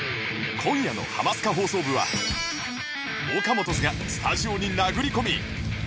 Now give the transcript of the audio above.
今夜の『ハマスカ放送部』は ＯＫＡＭＯＴＯ’Ｓ がスタジオに殴り込み